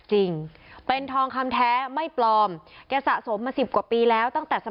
เราก็ออกมาสิบกว่าปีแล้วตั้งแต่